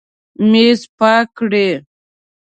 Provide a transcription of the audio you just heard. میز پاک کړئ